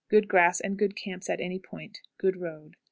Good grass and good camps at any point. Good road.